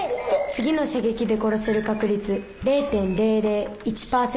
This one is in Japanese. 次の射撃で殺せる確率０．００１％